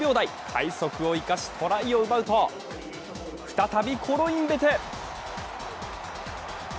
快足を生かしトライを奪うと再びコロインベテ。